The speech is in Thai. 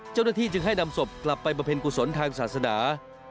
เจ้าหน้าที่จึงให้นำศพกลับไปประเพ็ญกุศลทางศาสนา